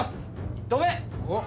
１投目！